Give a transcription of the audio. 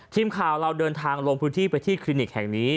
ทีมข่าวเราเดินทางลงพื้นที่ไปที่คลินิกแห่งนี้